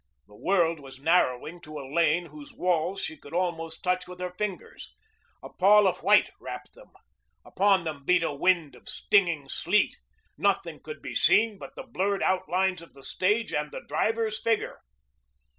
The world was narrowing to a lane whose walls she could almost touch with her fingers. A pall of white wrapped them. Upon them beat a wind of stinging sleet. Nothing could be seen but the blurred outlines of the stage and the driver's figure.